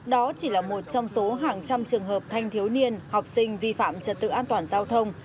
đó chỉ là một trong số hàng trăm trường hợp thanh thiếu niên học sinh vi phạm trật tự an toàn giao thông